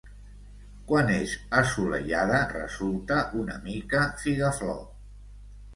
Quan és assolellada resulta una mica figaflor.